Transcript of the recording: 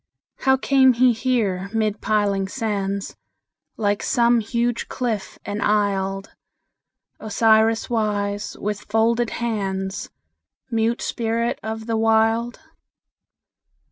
How came he here mid piling sands, Like some huge cliff enisled, Osiris wise, with folded hands, Mute spirit of the Wild?